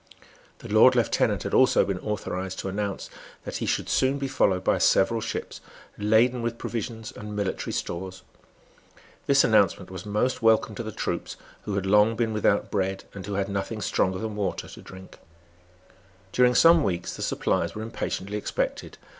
The Lord Lieutenant had also been authorised to announce that he should soon be followed by several ships, laden with provisions and military stores. This announcement was most welcome to the troops, who had long been without bread, and who had nothing stronger than water to drink. During some weeks the supplies were impatiently expected.